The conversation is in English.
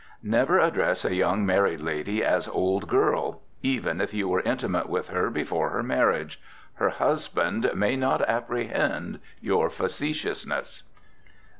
Never address a young married lady as old girl, even if you were intimate with her before her marriage. Her husband may not apprehend your facetiousness.